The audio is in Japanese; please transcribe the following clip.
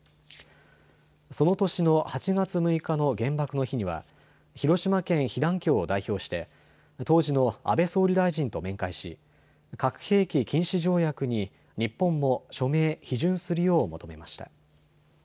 その年の８月６日の原爆の日には広島県被団協を代表して当時の安倍総理大臣と面会し核兵器禁止条約に日本も署名、批准するよう求めました。